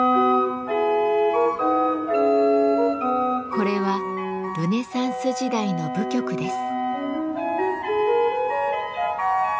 これはルネサンス時代の舞曲です。